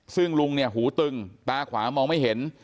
ซึ่งลุงเนี่ยหูตึงตาขวามองไม่เห็น